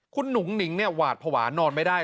คุณหนุ่งหนิงหวาดผวานนอนไม่ได้